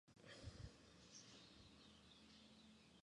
Durante el reino visigodo alojó en algunas ocasiones a la corte.